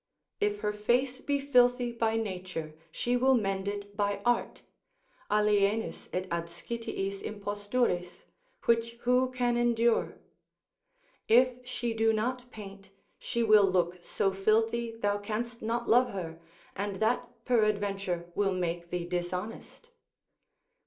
If her face be filthy by nature, she will mend it by art, alienis et adscititiis imposturis, which who can endure? If she do not paint, she will look so filthy, thou canst not love her, and that peradventure will make thee dishonest.